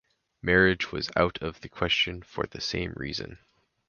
Marriage was out of the question for the same reason.